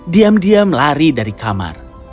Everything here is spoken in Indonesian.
diam diam lari dari kamar